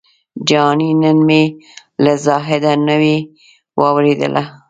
جهاني نن مي له زاهده نوې واورېدله